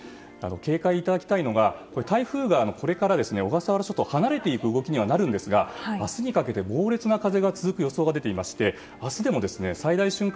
警戒いただきたいのが台風がこれから小笠原諸島を離れていく動きになるんですが明日にかけて猛烈な風が続く予想が出ていまして明日でも最大瞬間